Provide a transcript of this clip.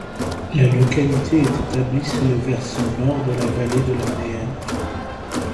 La localité est établie sur le versant nord de la vallée de la Mehaigne.